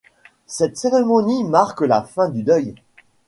Cette cérémonie marque la fin du deuil.